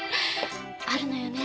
あるのよね